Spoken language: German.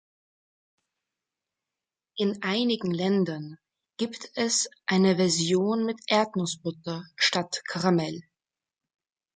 In einigen Ländern gibt es eine Version mit Erdnussbutter statt Karamell.